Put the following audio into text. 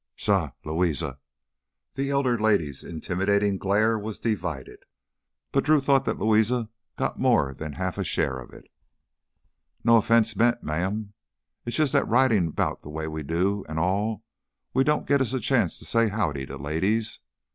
"Suh! ... Louisa!" The elder lady's intimidating glare was divided, but Drew thought that Louisa got more than a half share of it. "No offense meant, ma'am. It's jus' that ridin' 'bout the way we do an' all, we don't git us a chance to say Howdy to ladies."